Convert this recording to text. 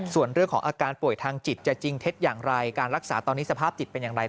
ส่วนเรื่องของอาการป่วยทางจิตจะจริงเท็จอย่างไรการรักษาตอนนี้สภาพจิตเป็นอย่างไร